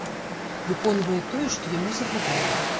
Выконвае тое, што яму загадалі.